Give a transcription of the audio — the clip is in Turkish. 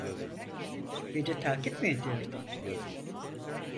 Beni takip mi ediyordun?